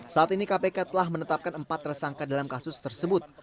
saat ini kpk telah menetapkan empat tersangka dalam kasus tersebut